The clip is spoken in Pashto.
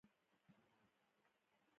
غریب د پاکو هیلو خاوند وي